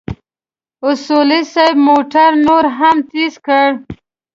اصولي صیب موټر نور هم تېز کړ.